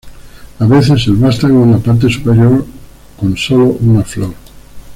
A veces, el vástago en la parte superior con sólo una flor.